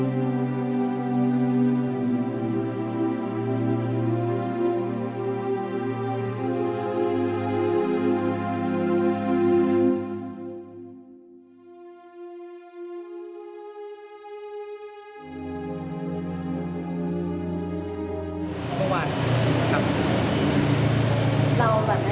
เห็นเกิ่งกลางไม่อยากพูดอะไรถึงผู้ชายค่ะ